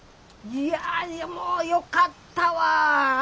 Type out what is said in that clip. いやでもよかったわあ。